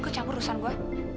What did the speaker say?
kok campur rusan gue